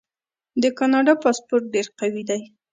د کاناډا پاسپورت ډیر قوي دی.